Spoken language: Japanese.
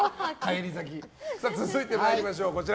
続いて参りましょう。